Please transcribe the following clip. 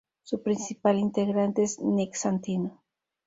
Su principal integrante es Nick Santino.